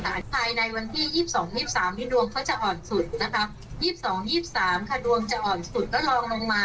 ภายในวันที่ยี่สิบสองยี่สิบสามนี่ดวงเขาจะอ่อนสุดนะคะยี่สิบสองยี่สิบสามค่ะ